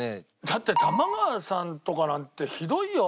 だって玉川さんとかなんてひどいよ。